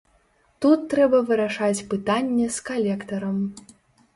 Тут трэба вырашаць пытанне з калектарам.